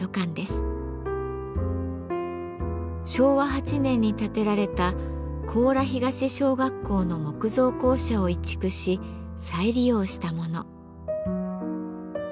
昭和８年に建てられた甲良東小学校の木造校舎を移築し再利用したもの。